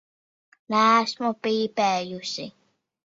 Neesmu pīpējusi.